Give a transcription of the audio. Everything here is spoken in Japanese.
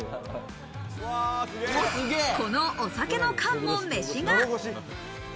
このお酒の缶も、めし画。